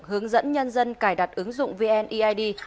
hướng dẫn nhân dân cài đặt ứng dụng vneid